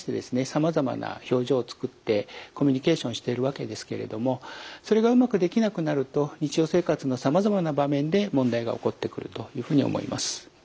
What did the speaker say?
さまざまな表情をつくってコミュニケーションをしているわけですけれどもそれがうまくできなくなると日常生活のさまざまな場面で問題が起こってくるというふうに思います。